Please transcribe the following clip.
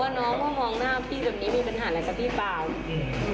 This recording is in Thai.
น้องมามองหน้าพี่แบบนี้มีปัญหาอะไรกับพี่เปล่าอืม